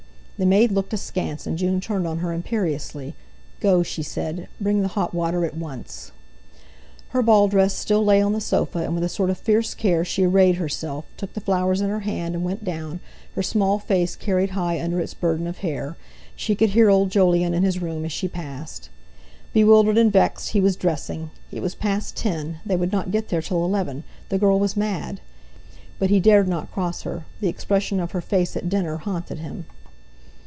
The maid looked askance, and June turned on her imperiously. "Go," she said, "bring the hot water at once!" Her ball dress still lay on the sofa, and with a sort of fierce care she arrayed herself, took the flowers in her hand, and went down, her small face carried high under its burden of hair. She could hear old Jolyon in his room as she passed. Bewildered and vexed, he was dressing. It was past ten, they would not get there till eleven; the girl was mad. But he dared not cross her—the expression of her face at dinner haunted him.